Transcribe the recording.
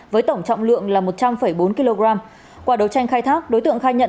với tổng trọng lượng là một trăm linh bốn kg qua đấu tranh khai thác đối tượng khai nhận